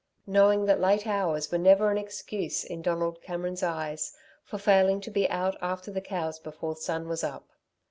knowing that late hours were never an excuse, in Donald Cameron's eyes, for failing to be out after the cows before the sun was up.